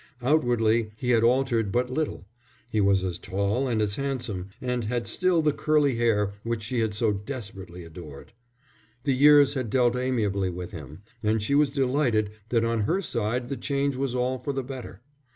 Outwardly he had altered but little; he was as tall and as handsome, and had still the curly hair which she had so desperately adored. The years had dealt amiably with him, and she was delighted that on her side the change was all for the better.